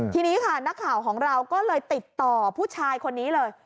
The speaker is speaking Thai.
ทีนี้ค่ะนักข่าวของเราก็เลยติดต่อผู้ชายคนนี้เลย